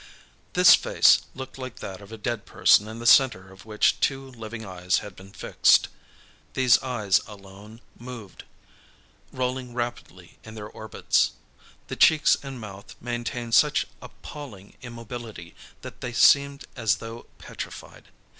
This face looked like that of a dead person in the centre of which two living eyes had been fixed. These eyes alone moved, rolling rapidly in their orbits. The cheeks and mouth maintained such appalling immobility that they seemed as though petrified.